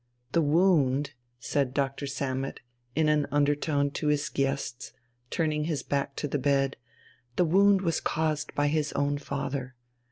"The wound," said Doctor Sammet in an undertone to his guests, turning his back to the bed, "the wound was caused by his own father.